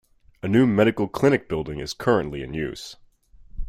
A new medical clinic building is currently in use.